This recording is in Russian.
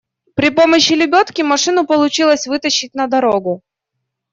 При помощи лебедки машину получилось вытащить на дорогу.